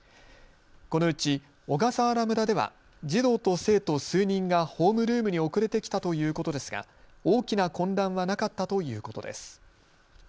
このうち小笠原村では児童と生徒数人がホームルームに遅れてきたということですが大きな混乱はなかったということです。